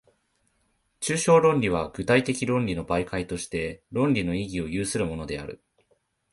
抽象論理は具体的論理の媒介として、論理の意義を有するのである。